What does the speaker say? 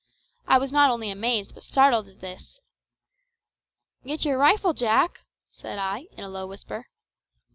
I was not only amazed but startled at this. "Get your rifle, Jack!" said I, in a low whisper.